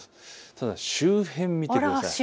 ただ周辺を見てください。